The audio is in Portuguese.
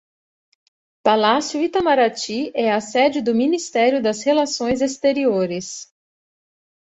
Palácio Itamaraty é a sede do Ministério das Relações Exteriores